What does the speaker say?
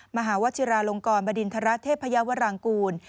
มหาวชิราลงกรบดินทรเทพยาวรางกูล